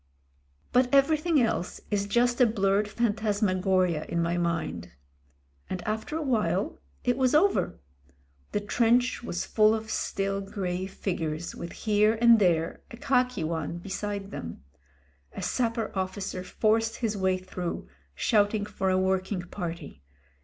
But everything else is just a blurred phantasmagoria in my mind. And after a while it was over. The trench was full of still grey figures, with here and there a khaki one beside them. A sap per officer forced his way through shouting for a working party.